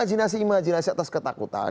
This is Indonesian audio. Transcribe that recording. imajinasi atas ketakutan